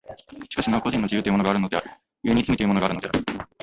しかしなお個人の自由というものがあるのである、故に罪というものがあるのである。